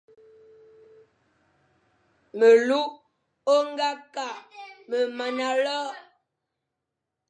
Melu ô nga kakh me mana lor.